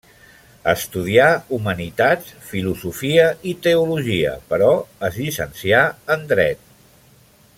Estudià Humanitats, Filosofia i Teologia, però es llicencià en dret.